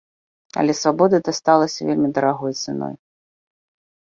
Але свабода дасталася вельмі дарагой цаной.